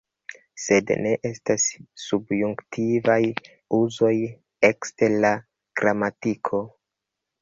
Sed ne estas subjunktivaj uzoj ekster la gramatiko.